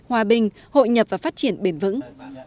hòa bình hội nhập và phát triển bền vững